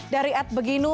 dari at beginu